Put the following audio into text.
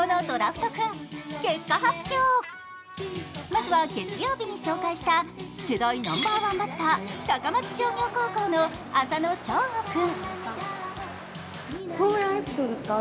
まずは月曜日に紹介した世代ナンバーワンバッター、高松商業高校の浅野翔吾君。